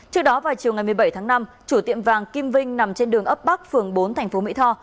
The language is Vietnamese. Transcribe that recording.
trước đó vào chiều ngày một mươi bảy tháng năm chủ tiệm vàng kim vinh nằm trên đường ấp bắc phường bốn thành phố mỹ tho